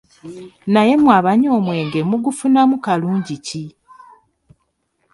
Naye mwe abanywa omwenge mugufunamu kalungi ki?